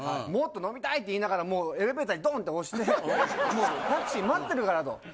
「もっと飲みたい」って言いながらエレベーターにドンって押して「タクシー待ってるから」と。